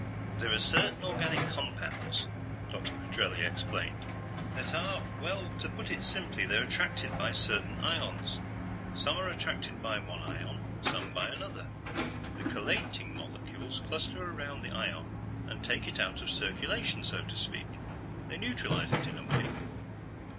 "There are certain organic compounds," Dr. Petrelli explained, "that are ... well, to put it simply, they're attracted by certain ions. Some are attracted by one ion, some by another. The chelating molecules cluster around the ion and take it out of circulation, so to speak; they neutralize it, in a way.